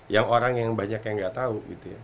yang orang yang banyak yang gak tau